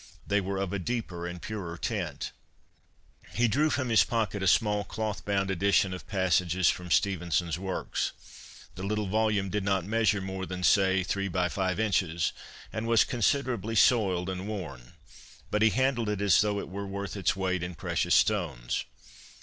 They were of a deeper and purer tint.' He drew from his pocket a small cloth bound edition of passages from Stevenson's works. The THROUGH ROSE COLOURED SPECTACLES IO9 little volume did not measure more than, say, three by five inches, and was considerably soiled and worn ; but he handled it as though it were worth its weight in precious stones.